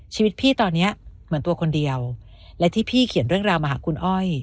ชีวิตพี่ตอนนี้เหมือนตัวคนเดียวและที่พี่เขียนเรื่องราวมาหาคุณอ้อย